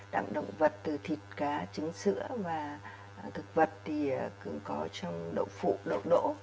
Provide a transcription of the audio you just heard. đạm động vật từ thịt cá trứng sữa và thực vật thì cũng có trong đậu phụ đậu đỗ